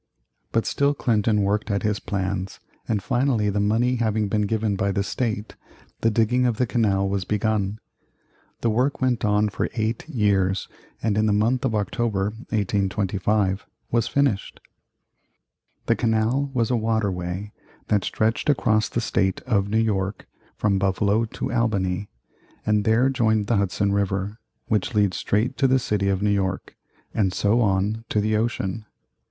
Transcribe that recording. But still Clinton worked at his plans, and finally, the money having been given by the State, the digging of the canal was begun. The work went on for eight years, and in the month of October, 1825, was finished. The canal was a water way that stretched across the State of New York from Buffalo to Albany and there joined the Hudson River, which leads straight to the city of New York, and so on to the ocean.